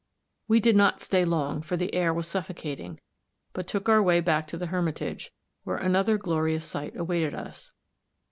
We did not stay long, for the air was suffocating, but took our way back to the Hermitage, where another glorious sight awaited us.